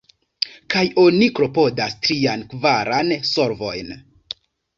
Kaj oni klopodas trian, kvaran solvojn.